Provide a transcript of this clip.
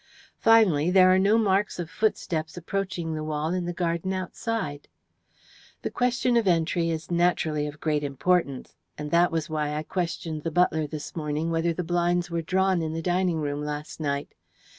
Finally, there are no marks of footsteps approaching the wall in the garden outside. "The question of entry is naturally of great importance, and that was why I questioned the butler this morning whether the blinds were drawn in the dining room last night.